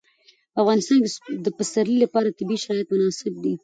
په افغانستان کې د پسرلی لپاره طبیعي شرایط مناسب دي.